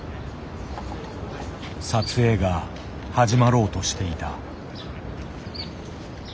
撮影が始まろうとしていた。